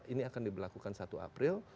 ini akan diberlakukan satu april